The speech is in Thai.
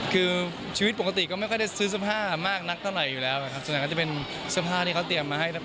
คืออันดับปกติก็ไม่ค่อยทำซื้อเสื้อผ้ามากนักต่อหลายอยู่แล้วจะเป็นเสื้อผ้าที่เขาเตรียมมาให้นะครับ